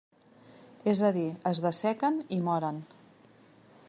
És a dir, es dessequen i moren.